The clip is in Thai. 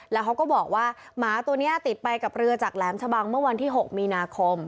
แล้วเขาก็บอกว่าหมาตัวนี้ติดไปกับเรือจากแหลมชะบังเมื่อวันที่๖มีนาคม